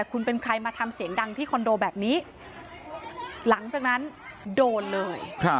คุณเป็นใครมาทำเสียงดังที่คอนโดแบบนี้หลังจากนั้นโดนเลย